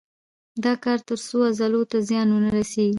دا کار تر څو عضلو ته زیان ونه رسېږي.